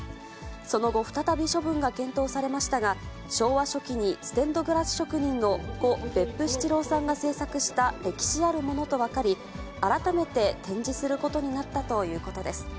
その後、再び処分が検討されましたが、昭和初期にステンドグラス職人の故・別府七郎さんが製作した歴史あるものと分かり、改めて展示することになったということです。